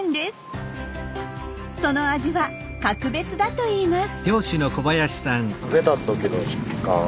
その味は格別だといいます。